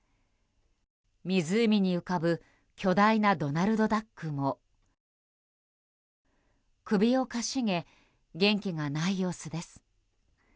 湖に浮かぶ巨大なドナルドダックも首をかしげ元気がない様子です。